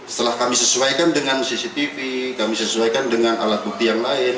setelah kami sesuaikan dengan cctv kami sesuaikan dengan alat bukti yang lain